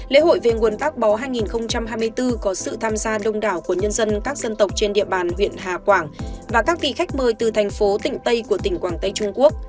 lễ hội về nguồn tác bó hai nghìn hai mươi bốn có sự tham gia đông đảo của nhân dân các dân tộc trên địa bàn huyện hà quảng và các vị khách mời từ thành phố tỉnh tây của tỉnh quảng tây trung quốc